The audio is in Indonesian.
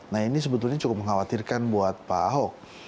nah ini sebetulnya cukup mengkhawatirkan buat pak ahok